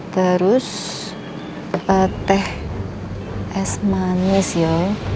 terus teh es manis ya